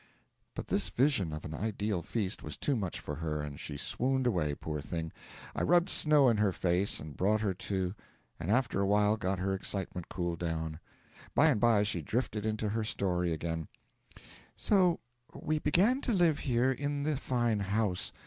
But this vision of an ideal feast was too much for her, and she swooned away, poor thing. I rubbed snow in her face and brought her to, and after a while got her excitement cooled down. By and by she drifted into her story again: 'So we began to live here in the fine house.